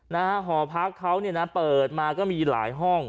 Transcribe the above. หอพักเขาเนี่ยนะเปิดมาก็มีหลายห้อง